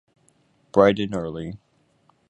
Bright and early.